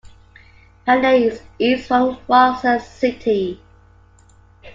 Panay is east from Roxas City.